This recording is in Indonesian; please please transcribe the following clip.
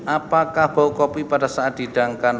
apakah bau kopi pada saat dihidangkan